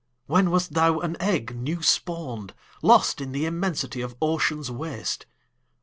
When wast thou an egg new spawn'd, Lost in the immensity of ocean's waste?